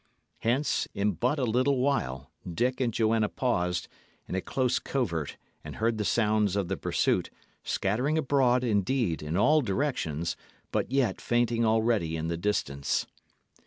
Hence, in but a little while, Dick and Joanna paused, in a close covert, and heard the sounds of the pursuit, scattering abroad, indeed, in all directions, but yet fainting already in the distance.